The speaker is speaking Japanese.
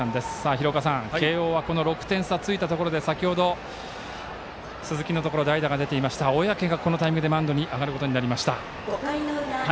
廣岡さん慶応は６点差ついたところで先ほど、鈴木のところ代打が出ていましたが小宅がこのタイミングでマウンドに上がることになりました。